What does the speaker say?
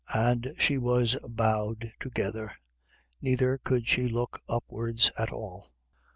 And she was bowed together: neither could she look upwards at all.